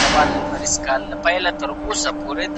بالاحصار وضعیت ګډوډ پاتې شو.